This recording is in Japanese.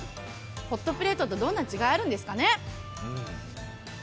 ホットプレートとどんな違いがあるんでしょうかね。